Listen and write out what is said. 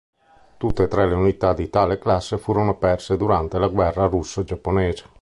Tutte e tre le unità di tale classe furono perse durante la guerra russo-giapponese.